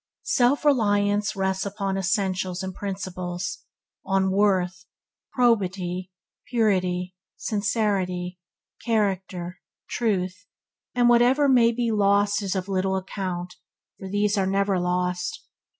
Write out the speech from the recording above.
Self reliance rests upon essentials and principles on worth, probity, purity, sincerity, character, truth and whatever may be lost is of little account, for these are never lost.